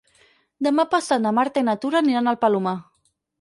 Demà passat na Marta i na Tura aniran al Palomar.